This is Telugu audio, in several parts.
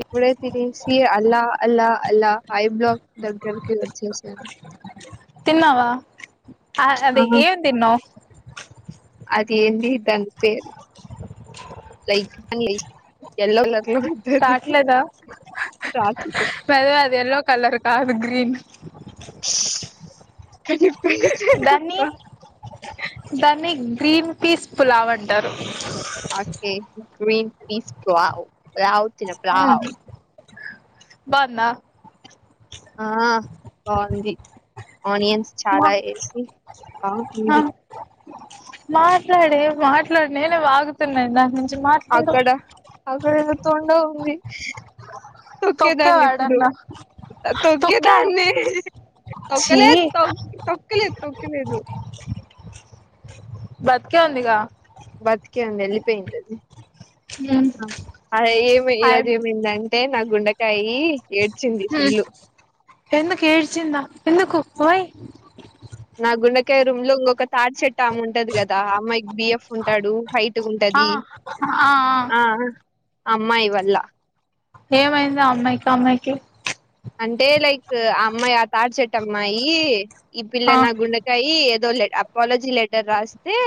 ఇప్పుడే తినసి అల్లా అల్లా అల్లాహ ఐ బ్లాక్ దగ్గరకి వచ్చేసా ఆ తిన్నావా ఆ అవి ఏం తిన్నావు అది ఏంది తని పేరు లైక్ అని లేచ్ ఎల్లో కలర్ తీ రాట్లేదా రాట్లేదు అదే అది ఎల్లో కలర్ కాదు గ్రీన్ [unintelligible] దాన్ని ఆ దాన్ని గ్రీన్ పీస్ పులావ్ అంటారు okay green peas pulao pulao తిన్న పులావ్ బాగుందా ఆ బాగుంది ఆనియన్స్ మా చాలా వేసి ఆ బాగుంది మాట్లాడే మాట్లాడు నేనే వాగుతున్న ఇందాకట్నుంచి అక్కడ అక్కడ ఏదో తోండ ఉంది తొక్కేదాన్ని ఇప్పుడు తొక్కేవాడన్నా తొక్కావా తొక్కేదాన్ని ఛీ తొక్కలేదు త తొక్కలేదు తొక్కలేదు బతికే ఉందిగా బతికే ఉంది వెళ్ళిపోయిందా హ్మ్ అది అదే ఏమి ఈరోజు ఏమైందంటే నా గుండెకాయ హ ఎందుకు ఏడ్చిందా ఎందుకు వై నా గుండెకాయ రూమ్ లో ఇంకొక తాడి చెట్టు అమ్మే ఉంటది కదా అమ్మాయికి బిఎఫ్ ఉంటాడు హైట్ ఉంటాది ఆ ఆ ఆ అమ్మాయి వల్ల ఏమైంది అమ్మాయికి అమ్మాయికి అంటే లైక్ ఆ అమ్మాయి ఆ తాడి చెట్ అమ్మాయి ఈ ఆ పిల్ల నా గుండెకాయ అపాలజీ లెటర్ రాస్తే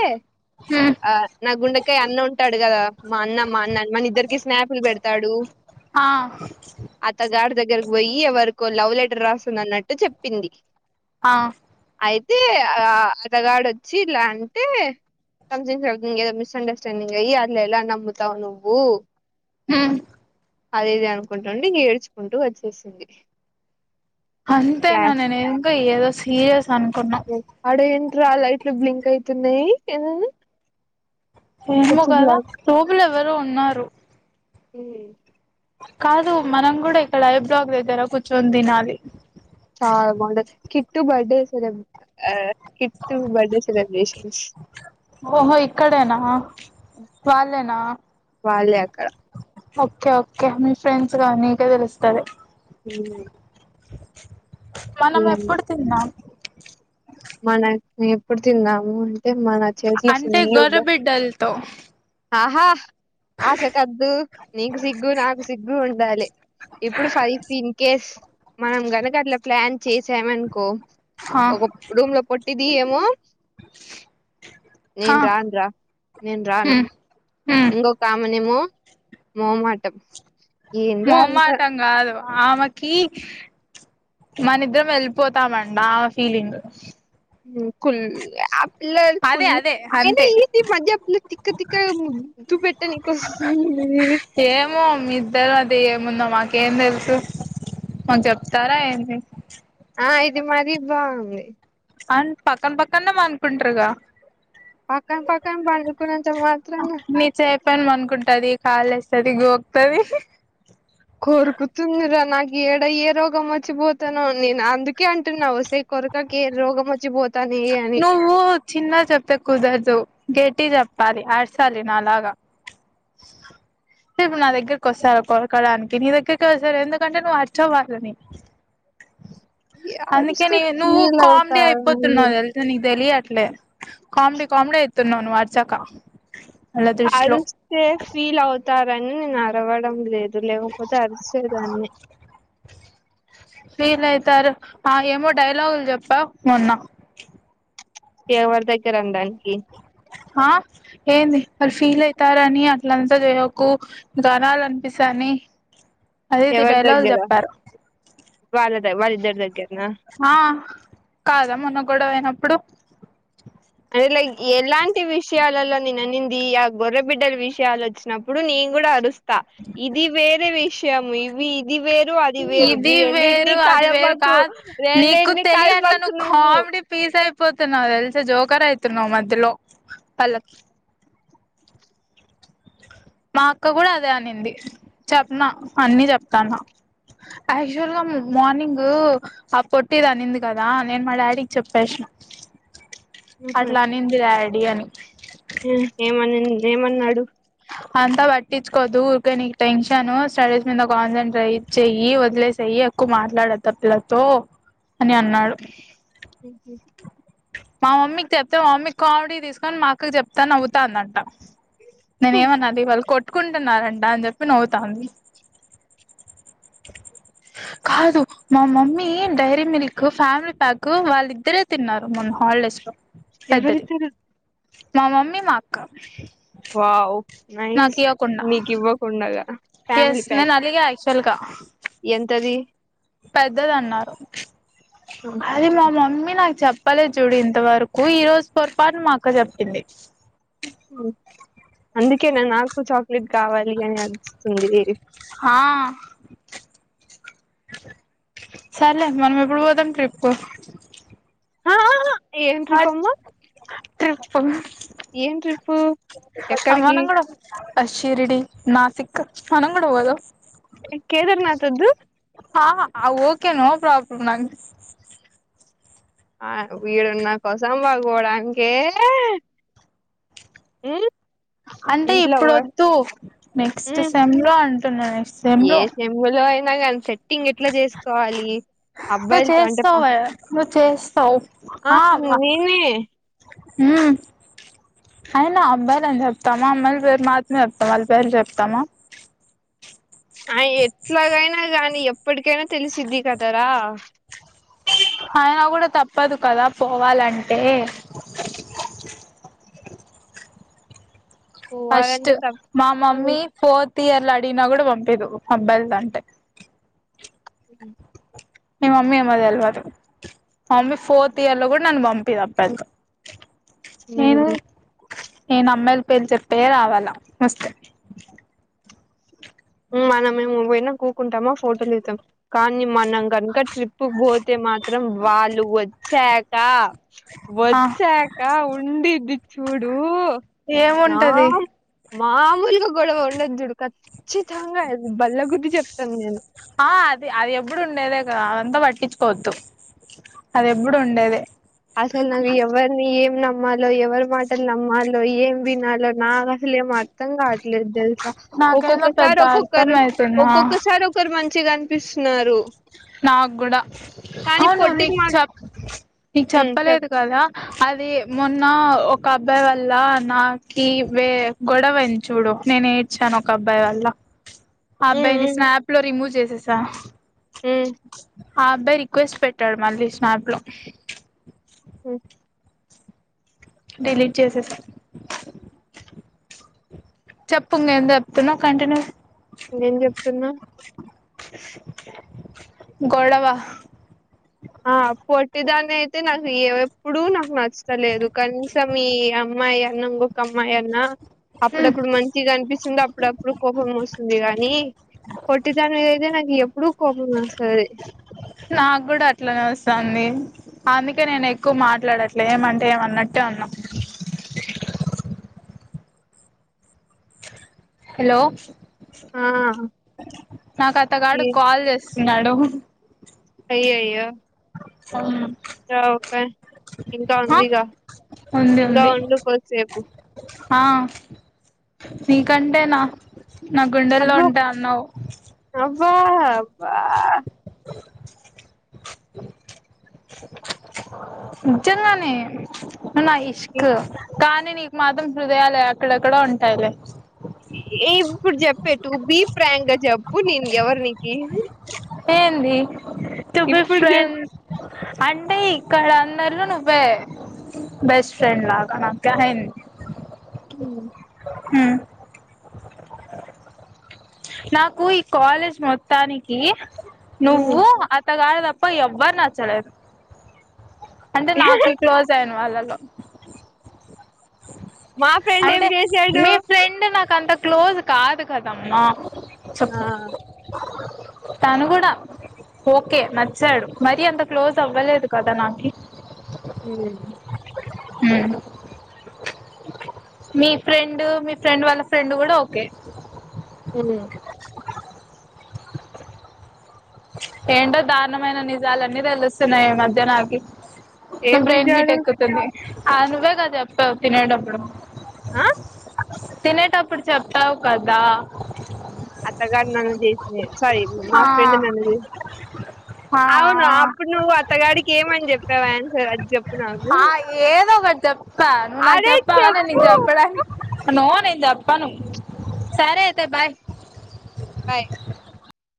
హ ఆ నా గుండెకయ అన్న ఉంటాడు కదా మా అన్న మా అన్న మన ఇద్దరికి స్నాపులు పెడతాడు ఆ అతగాడు దగ్గరకు పోయి ఎవరికో లవ్ లెటర్ రాస్తుందన్నట్టు చెప్పింది ఆ అయితే ఆ అతగాడు వచ్చి ఇలా అంటే సంథింగ్ ఏదో మిస్ అండర్స్టాండింగ్ అయ్యి అలెలా నమ్ముతావు నువ్వు హ అద ఇది అనుకుంటుండి ఇగా ఏేడ్చుకుంటూ వచ్చేసింది అంతేనా క్లాస్ నేను ఇంకా ఏదో సీరియస్ అనుకున్నా కి ఆడ ఏంట్రా లైట్లు బ్లింక్ ఐతున్నాయి ఫిల్మ్ కదా లోపల ఎవరో ఉన్నారు హ కాదు మనం కూడా ఇక్కడ ఐ బ్లాక్ దగ్గర కూర్చొని తినాలి చాలా బాగుందది కిట్టు బర్త్డే సెలబ్ ఆ కిట్టు బర్డే సెలబ్రేషన్స్ ఓహో ఇక్కడైనా వాళ్లేనా వాళ్ళే అక్కడ ఓకే ఓకే మీ ఫ్రెండ్స్ గానీ ఇక తెలుస్తలే ఉ మనం ఎప్పుడు తిందాం మన ఎప్పుడు తిన్నాము ఏ మన చేసిలో అంటే ఫుల్ అబ్బ గొర్రెబిడ్డలతో ఆహా ఆశ కద్దు నీకు సిగ్గు, నాకు సిగ్గు ఉండాలి. ఇప్పుడు ఫైవ్ పింకెస్ మనం గనక అట్లా ప్లాన్ చేసామనుకో హ కుమ్ లో పొట్టిది ఏమో ఆ నేను రాన్ రా నేను రాను హ్మ్ హ్మ్ ఇంగొ కామనేమో మోమాటం ఏందో అంత మొమాటంగాదు ఆమెకి మనిద్దరం వెళ్ళిపోతామన్న ఆమె ఫీలింగ్. ఉమ్ కుళ్ళేబ్ పిల్ల అదే కుల్ అదే ఏందో అంతే ఈది మధ్య పిల్ల తిక్క తిక్క ముద్దు పెట్టనికి వస్తుంది ఊ ఏమో మీ ఇద్దరు అది ఏముందో మాకేం తెలుసు మాకు చెప్తారా ఏంటి? ఆ ఇది మరి బాగుంది. అన్ పక్కన పక్కన్నె పనుకుంటారుగా. పక్కన పక్కన పనుకున్నంత మాత్రాన ప్పన్ పనుకుంటది కాల ఏస్తది, గోకుతది ఇహి కోరుకుతుందిరా నాకు ఏడా ఏ రోగం వచ్చిపోతానో నేను అందుకే అంటున్నావసే కొరకకె రోగ వచ్చి బో నువ్వు చిన్నగ జెప్తే కుదరదు గె ట్టి చెప్పాలి ఆడసాలి నాలాగా రేపు నా దగ్గరకి వస్తారు కొరకడానికి నీ దగ్గరికి వస్తారు ఎందుకంటే నువ్వు అర్చవని అందుకే అరిస్తే ని నువ్వు ఫీల్ కామెడీ అవుతారని అయిపోతున్నావు తెలుసా నీకు తెలిలే ట్లే కామెడీ కామెడీ అయితున్నావు నువ్వు అర్చక అళ దృష్టిలో సేఫ్ ఫీల్ అవుతారని నేను అరవడం లేదు. దుర్ లేకపోతే అరిసే దాన్నె ఫీల్ అయితారు ఆ ఏమో డైలాగులు చెప్పావ్ మొన్న ఎవరి దగ్గర అనడానికి ఆ ఏంది అది ఫీల్ అయితారా ని అట్లంతా చేయకు దనాలు అనిపిస్తానే అదిది ఎవరి డైలాగులు చెప్పారు వాళ దగ్గరికే ఆ కాదా మొన్న గొడవ అయినప్పుడు దెర్లేయింగ్ ఎలాంటి విషయాలలో నేను అనింది. ఆ గొర్రబిడ్డల విషయాలు వచ్చినప్పుడు నేను కూడా అరుస్ త ఇది వేరే విషయము ఇవి ఇది వేరు, అది వేరు ఇది రెండిటిని వేరు అది వేరు కలపకు కాదు రెండిటిని కలపకు నువ్వు. ఇప్పుడే పీజ్ అయిపోతున్నావ్ తెలిసా జోకర్ అయితున్నావ్ మధ్యలో ఆలకి మా అక్క కూడా అదే అనింది చెప్నా అన్ని చెప్తాను. యాక్చువల్ గా మార్నింగ్ ఆ పొట్టిది అనింది కదా నేను మా డాడీకి చెప్పేస్నా. అట్లా అనింది డాడీ అని ఉ ఏమనిన్ ఏమన్నాడు అంతా పట్టించుకోద్దు ఊరికే నీకు టెన్షన్ స్టడీస్ మీద కాన్సన్ట్రేట్ చెయ్యి వదిలేసయ్యి. ఎక్కువ మాట్లాడద్దు ఆ పిల్లతో అని అన్నాడు. ఉహ్ మా మమ్మీకి చెప్తే మా మమ్మీ కామెడీ తీసుకొని మాకు చెప్తా నవ్తాన్నంట. నేనే ఏమన్నాది వాళ్ళు కొట్టుకుంటున్నంట అని చెప్పి నవ్వుతంది కాదు మా mummy Dairy Milk family pack వాళ్ళిద్దరే తిన్నారు మొన హ ఒళెస్ ఎవరితేరు మా మమ్మీ మా అక్కా వావ న మీకు ఇ్వకుడాగా ఎస్ నేను అలిగా ఆయాక్చువల్గా ఎంతది పెద్దద అన్నారు అది మా మమ్మీ నాకు చెప్పలే చూడు ఇంతవరకు ఈ రోజు పొరపాటు మా అక్క చెప్పింది అందుకే నాకు చాక్లెట్ కావాలి అని అస్తుంది ఆ సార్లె మనం ఎప్పుడు పోదాం ట్రిప్ కు ఏంట ర్రిపమ్మ త్రిప్ప ఎక్కడికి అమాన కూడా కూడా శిర్డి నాసిక్ అనం కూడా కూడా పోదు కేదార్నాథ్ వద్దు ఓకే నో ప్రాబ్లమ్ నాంగ్ ఆ వీడున్న కోసం వాాగవడానినికి ఉమ్ అంటే ఇంట్లో ఇప్పుడు ఎవ- వద్దు నెక్స్ట్ ఉమ్ సెమ్ లో అంటున్నా నెక్స్ట్ సెమ్ లో కాని సెట్టింగ్ ఎట్లా చేసుకోవాలి నువ్వు అబ్బాయిలతో అంటే పా చేస్తావు నువ్వు చేస్తావు ఆ అయినా అబ్బాయిలు అని చెప్తామా మళ్ళీ పేరు మా అతమ చెప్తాం మళ్ళీ పేరు చెప్తామా ఆ ఎట్లాగైనా కానీ ఎప్పటికైనా తెలిసిది కదార ఆయన కూడా తప్పదు కదా పోవాలంటే అస్ట్ పోవాలంటే మా తప్పదు మమ్మీ ఫోర్త్ తీయర్లా అడిగిన కూడా పంపిది పంబల్ద అంటే హ నిమ్ మమ్మీ అమ్మది అల్వదు మమ్మీ ఫోర్త్ ఇయర్ లో కూడా నన్ను పంపిది అబ్బాయిలకు ఉమ్ నేను అమ్మాయిల పేరు చెప్పే రావాలా వస్తే మనం మేము పోనా కూకుంటామ ఫోటోలుద్దాం కానీ మనం కనుక ట్రిప్పుకి పోతే మాత్రం వాళ్ళు వచ్చాక ఆ వచ్చాక ఉండదిది చూడు నా ఏముంటది మామూలుగా గొడవ ఉండద్దుడు ఖచ్చితంగా బల్ల గుద్ది చెప్తాను నేను ఆ అది అది ఎప్పుడు ఉండేదే కదా అదంతా పట్టించుకోవద్దు అది ఎప్పుడు ఉండేది అసలు నాకు ఎవరిని ఏం నమ్మాలో ఎవరి మాటలు నమ్మాలో ఏం వినలో నా అసలే ఏం అర్థం కావట్లేదు తెలుసా నాకేందో ఒక్కొక్కసారి పెద్ద అర్థం ఒక్కొక్కరు అయితుందా ఒక్కొక్కసారి ఒకరు మంచి మంచిగా కనిపిస్తున్నారు నాకు కూడా అవును పొట్టిది నీకు మా చెప్ప నీకు ఉమ్ చెప్ చెప్పలేదు కదా అది మొన్న ఒక అబ్బాయి వల్ల నాకి వే గొడవ పెంచుడు నేనే ఇడ్చను ఒక అబ్బాయి వల్ల ఉమ్ అబ్బాయిని ఉమ్ స్నాప్ లో రిమూవ్ చేసేసా ఉమ్ ఆ అబ్బాయి రిక్వెస్ట్ పెట్టాడు మళ్ళీ తీసినాప్ లో ఉమ్ డిలీట్ చేసేసా చెప్పుంగ ఎంత చెప్తున కంటిన్యూ ఏం చెప్తున్నా గడవా ఆ పొట్టిదాన్ని అయితే నాకు ఏ ఎప్పుడు నాకు నచ్చ ఇస్తాలేదు కనీసం ఈ అమ్మాయి అన్న ఇంకొక అమ్మాయి అన్న హ్మ్ అప్పుడప్పుడు మంచిగా కనిపిస్తుంది అప్పుడప్పుడు కోపం వస్తుంది ంది కాగానీ పోట్టిదానిమీద అయితే నాకు ఎప్పుడుూ కోపం వస్తుంది నాకు కూడా అట్లనే అస్తాంది అందుకే నేను ఎక్కువ మాట్లాడట్లే ఏమంటే ఏమన్నట్టే ఉన్నాం హలో ఆ నాకు ఈ అతగాడు కాల్ చేస్త నాడు అయ్యయ్యో అవును ఇంకా ఒక ఇంకా ఆ ఉందిగా ఉంది ఇంకా ఉంది ఉండుకోసేపు ఆ నీ కంటేనా నా గుండెల్లో ఉంటే అన్నావ్ వా వా నీజంగానే నువ్వు నా ఇ- ఇష్క్ కానీ నీకు మాత్రం హృదయాలే అక్కడెక్కడో ఉంటాయిలే ఏ ఇప్పుడు చెప్పెట్టు బి ఫ్రాంక్ గా జప్పు నేను ఎవరి నీనికి ఏంది టు బి చెప్ ఫ్రెండ్స్ అంటే ఇక్కడ అందరిలో నువ్వే బెస్ట్ ఫ్రెండ్లాన కహెం ఉ హూ నాకు ఈ కాలేజ్ మొత్తానికి నువ్వు ఆ గాడు దప్ప ఎవ్వరు నచ్చలేదు అంటే నాకు క్లోజ్ అయిన వాళ్ళలో మా ఫ్రెండ్ ఏం అంటే చేశాడు మీ ఫ్రెండ్ నాక అంత క్లోజ్ కాదు కదమ్మా ఆ తను కూడా ఓకే నచ్చాడు మరి అంత క్లోజ్ అవ్వలేదు కదా నాకి ఉమ్ హ్మ్ మీ ఫ్రెండ్ మీ ఫ్రెండ్ వాళ్ళ ఫ్రెండ్ కూడా ఓకే ఉమ్ ఏంటో దారుణమైన నిజాలన్నీ తెలుస్తున్నాయి ఈ మధ్యాహ్నకి ఏం బ్రైయిన్ హీట్ నిజాలు ఎక్కుతుంది అది నువ్వే కదా చెప్ప తినేటప్పుడు ఆ తినేటప్పుడు చెప్తావు కదా అత్తగాడు నన్ను చేసిన సారీ మా ఆ ఫ్రెండ్ నన్నుది ఆ అవును అప్పుడు నువ్వు అత్తగాడికి ఏమని చెప్పావా ఆయన్సర్ అది చెప్పు నాకు ఒక జప్పా నువ్వు నాకు అరే జప్పప్పావా నేను చెప్పు జప్పడా నో నేను జాప్పాను సరే అయితే బాయ్ బై